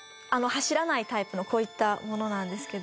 走らないタイプのこういったものなんですけど。